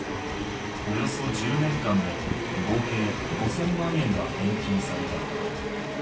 およそ１０年間で合計５０００万円が返金された。